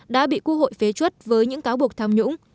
đã bị quốc hội phế chuất với những cáo buộc tham nhũng